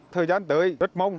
thời gian tới rất mong